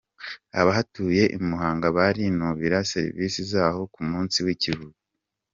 Abahatuye Imuhanga barinubira serivisi zaho ku munsi w’ikiruhuko